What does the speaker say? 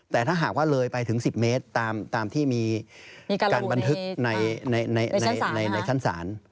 แต่ถ้าหากว่าเลยไปถึง๑๐เมตรตามที่มีการบันทึกในชั้นศาล